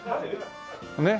ねっ。